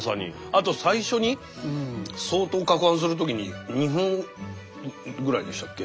あと最初に相当かくはんする時に２分ぐらいでしたっけ？